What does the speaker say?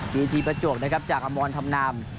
ปีธีประจวกนะครับจากอมวลทำนาม